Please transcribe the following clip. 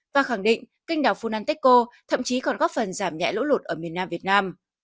và khẳng định kinh đảo funanteko thậm chí còn góp phần giảm nhẹ lỗ lụt ở miền nam việt nam